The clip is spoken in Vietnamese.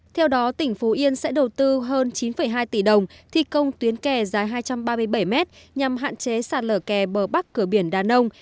theo đó tỉnh phú yên sẽ đầu tư hơn chín hai tỷ đồng thi công tuyến kè dài hai trăm ba mươi bảy mét nhằm hạn chế sạt lở kè bờ bắc cửa biển đà nông